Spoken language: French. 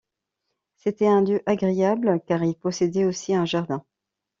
C'était un lieu agréable, car il possédait aussi un jardin.